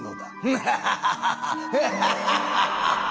ハハハハハハハ！